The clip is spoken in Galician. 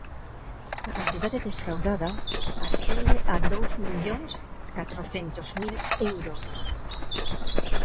A cantidade defraudada ascende a dous millóns catrocentos mil euros.